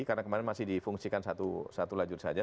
karena kemarin masih difungsikan satu lajur saja